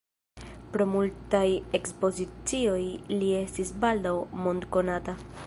Pro multaj ekspozicioj li estis baldaŭ mondkonata.